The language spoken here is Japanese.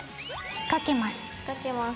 引っ掛けます。